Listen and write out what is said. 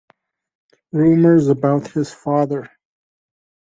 Rumors about his father.